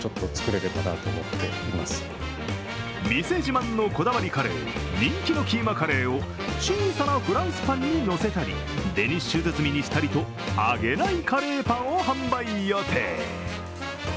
店自慢のこだわりカレー、人気のキーマカレーを小さなフランスパンにのせたり、デニッシュ包みにしたりと揚げないカレーパンを販売予定。